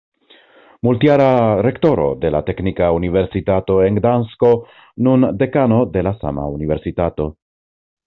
Multjara rektoro de la Teknika Universitato en Gdansko, nun dekano de la sama universitato.